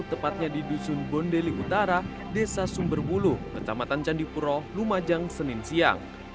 tepatnya di dusun bondeli utara desa sumberbulu kecamatan candipuro lumajang senin siang